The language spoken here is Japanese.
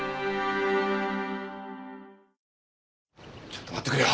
ちょっと待ってくれよ。